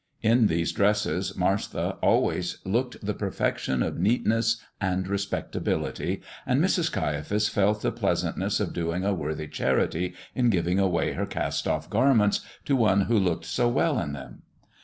In these dresses Martha always looked the perfection of neatness and respectability, and Mrs. Caiaphas felt the pleasantness of doing a worthy charity in giving away her cast off garments to one who looked so well in them.